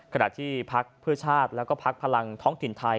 ขณะที่พักพฤชาติและพักพลังท้องถิ่นไทย